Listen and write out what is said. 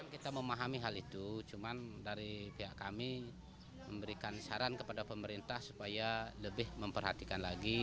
kita memahami hal itu cuma dari pihak kami memberikan saran kepada pemerintah supaya lebih memperhatikan lagi